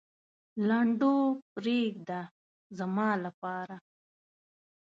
لنډو پرېږده زما لپاره.